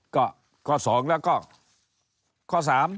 ก็ข้อ๒แล้วก็ข้อ๓